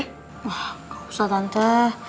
nggak usah tante